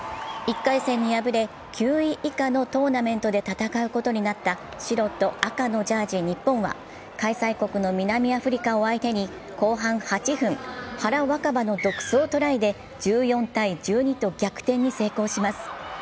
１回戦に敗れ、９位以下のトーナメントで戦うことになった白と赤のジャージー、日本は開催国の南アフリカを相手に後半８分、原わか花の独走トライで１４−１２と逆転に成功します。